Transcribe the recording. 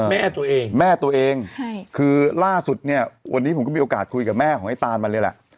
แม่ตัวเองแม่ตัวเองใช่คือล่าสุดเนี่ยวันนี้ผมก็มีโอกาสคุยกับแม่ของไอ้ตานมาเลยแหละ